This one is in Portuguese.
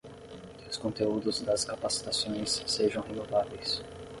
que os conteúdos das capacitações sejam renováveis